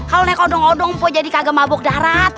kalo naik odong odong mpok jadi kagak mabok darat